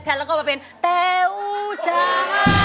แทนใจถนาแล้วของพี่